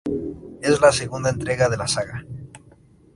Es la segunda entrega de la saga.